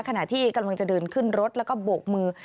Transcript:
ขณะที่กำลังจะเดินขึ้นรถแล้วก็โบกมือ